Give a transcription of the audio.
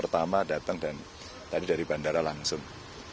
tadi dari bandara langsung